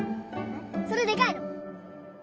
それでかいの！